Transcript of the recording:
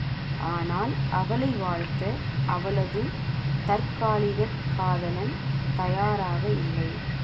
ஆனால், அவளை வாழ்த்த அவளது தற்காலிகக் காதலன் தயாராக இல்லை!